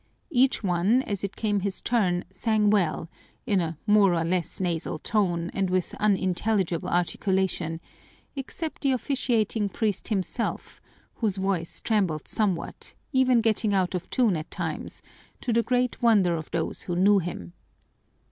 Each one, as it came his turn, sang well, in a more or less nasal tone and with unintelligible articulation, except the officiating priest himself, whose voice trembled somewhat, even getting out of tune at times, to the great wonder of those who knew him.